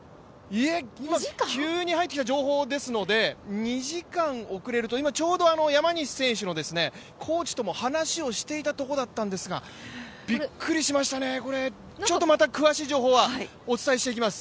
急に入ってきた情報ですので２時間遅れるとちょうど今、山西選手のコーチとも話をしていたところだったんですがびっくりしましたね、また詳しい情報はお伝えしていきます。